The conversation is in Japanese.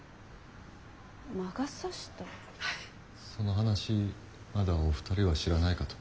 その話まだお二人は知らないかと。